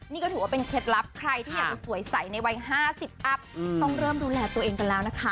นี่ก็ถือว่าเป็นเคล็ดลับใครที่อยากจะสวยใสในวัย๕๐อัพต้องเริ่มดูแลตัวเองกันแล้วนะคะ